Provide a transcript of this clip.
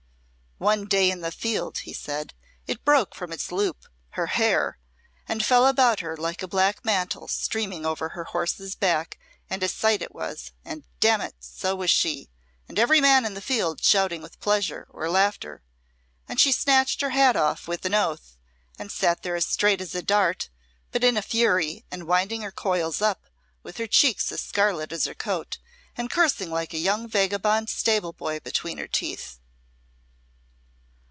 "One day in the field," he said, "it broke from its loop her hair and fell about her like a black mantle, streaming over her horse's back, and a sight it was and damn it, so was she; and every man in the field shouting with pleasure or laughter. And she snatched her hat off with an oath and sat there as straight as a dart, but in a fury and winding her coils up, with her cheeks as scarlet as her coat and cursing like a young vagabond stable boy between her teeth."